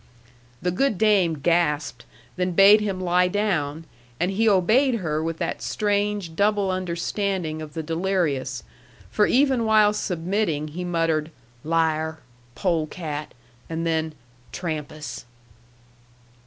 The good dame gasped, then bade him lie down, and he obeyed her with that strange double understanding of the delirious; for even while submitting, he muttered "liar," "polecat," and then "Trampas."